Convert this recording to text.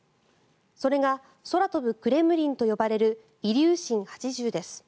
それが空飛ぶクレムリンと呼ばれるイリューシン８０です。